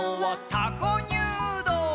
「たこにゅうどう」